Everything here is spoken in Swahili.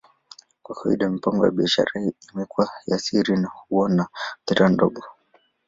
Kwa kawaida, mipango ya biashara imekuwa ya siri na huwa na hadhira ndogo.